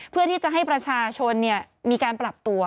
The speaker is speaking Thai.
เพื่อที่จะให้ประชาชนมีการปรับตัว